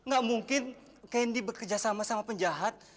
gak mungkin kendi bekerja sama sama penjahat